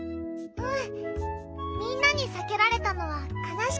うん！